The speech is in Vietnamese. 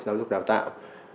giáo dục đào tạo